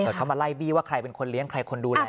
แต่เขามาไล่บี้ว่าใครเป็นคนเลี้ยงใครคนดูแล